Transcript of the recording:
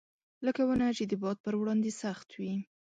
لکه ونه چې د باد پر وړاندې سخت وي.